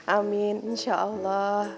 amin insya allah